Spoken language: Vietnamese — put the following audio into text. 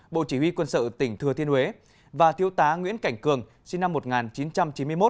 bộ chỉ huy quân sự tỉnh thừa thiên huế và thiếu tá nguyễn cảnh cường sinh năm một nghìn chín trăm chín mươi một